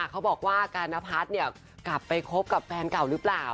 เขาบอกว่ากานพัฒน์กลับไปคบกับแฟนเก่าหรือเปล่า